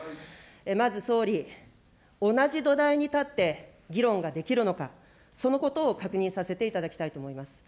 まず総理、同じ土台に立って議論ができるのか、そのことを確認させていただきたいと思います。